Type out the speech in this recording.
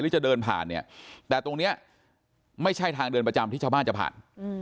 จะเดินผ่านเนี่ยแต่ตรงนี้ไม่ใช่ทางเดินประจำที่ชาวบ้านจะผ่าน